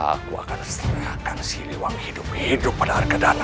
aku akan serahkan siliwangi hidup hidup pada arkadana